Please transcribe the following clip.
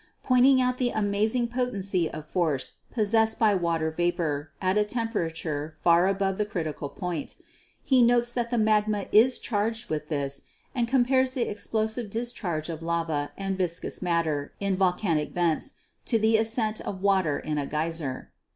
Pointing out the amazing potency of force possessed by water vapor at a temperature far above the critical point, hemotes that the magma is charged with this and compares the explosive discharge of lava VULCANISM 123 and viscous matter in volcanic vents to the ascent of water in a geyser.